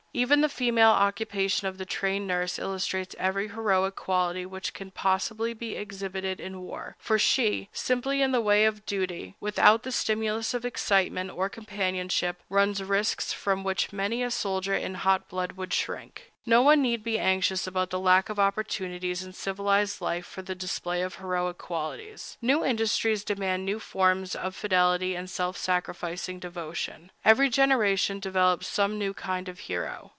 Even the feminine occupation of the trained nurse illustrates every heroic quality which can possibly be exhibited in war; for she, simply in the way of duty, without the stimulus of excitement or companionship, runs risks from which many a soldier in hot blood would shrink. No one need be anxious about the lack of opportunities in civilized life for the display of heroic qualities. New industries demand new forms of fidelity and self sacrificing devotion. Every generation develops some new kind of hero.